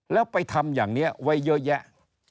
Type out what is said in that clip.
แล้วไปทำอย่างนี้ไว้เยอะแยะ